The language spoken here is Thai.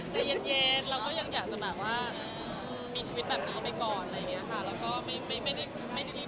จะเย็นเราก็ยังอยากจะว่าว่ามีชีวิตแบบนี้ไปก่อนแล้วก็ไม่รีบร้อยเรื่องคำลักอะไรมากมาย